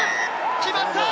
決まった！